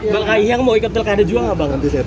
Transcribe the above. bang ahiyang mau ikat telkaida juga gak bang